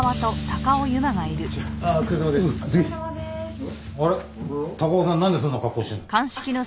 高尾さんなんでそんな格好してるの？